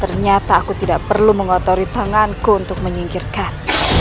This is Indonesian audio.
ternyata aku tidak perlu mengotori tanganku untuk menyingkirkan